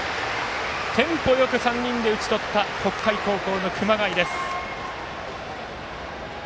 テンポよく３人で打ち取った北海高校の熊谷です。